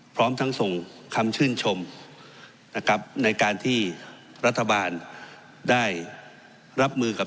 พร้อมทั้งส่งคำชื่นชมนะครับในการที่รัฐบาลได้รับมือกับ